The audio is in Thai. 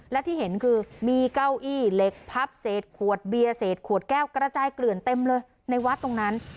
และที่เห็นคือมีเก้าอี้เหล็กพับเศษขวดเบียร์เศษขวดแก้วกระจายเกลื่อนเต็มเลยในวัดตรงนั้น